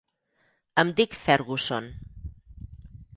Em dic Ferguson.